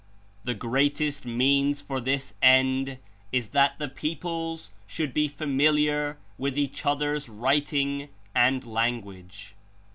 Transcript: The greatest means (for this end) Is that the peoples should be familiar with each other's writ ing and language.